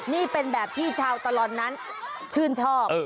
นี่เป็นแบบที่ชาวตลอดนั้นชื่นชอบ